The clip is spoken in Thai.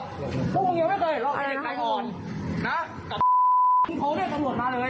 พวกมึงยังไม่เคยเห็นหรอกเด็กไก่อ่อนนะกับพี่โทษเนี้ยตำรวจมาเลย